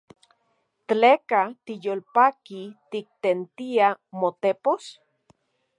¿Tleka tiyolpaki tiktentia motepos?